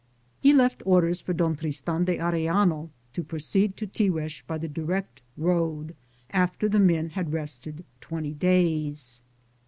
He left orders for Don Tristan de Arellano to proceed to Tiguex by the di rect road, after the men had rested twenty days.